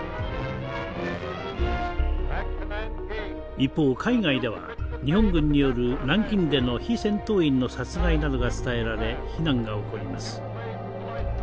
一方海外では日本軍による南京での非戦闘員の殺害などが伝えられ非難が起こります。